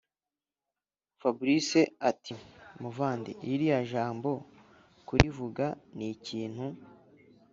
fabric ati”muvandi ririya jambo kurivuga ni ikintu